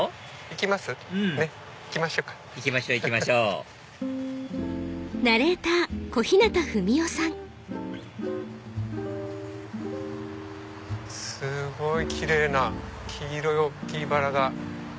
行きましょう行きましょうすごいキレイな黄色い大っきいバラが。